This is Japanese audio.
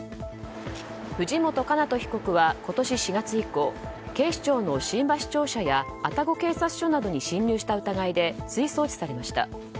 藤本叶人被告は今年４月以降警視庁の新橋庁舎や愛宕警察署などに侵入した疑いで追送致されました。